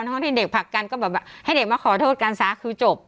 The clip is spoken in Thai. ทั้งความที่เด็กผักกันก็แบบให้เด็กมาขอโทษการสาวคือจบ